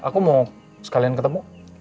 aku mau sekalian ketemu